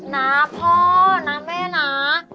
น้าพ่อน้าแม่น้า